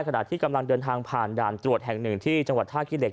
ขณะที่กำลังเดินทางผ่านด่านตรวจแห่งหนึ่งที่จังหวัดท่าขี้เหล็